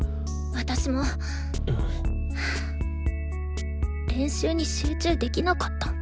私も練習に集中できなかった。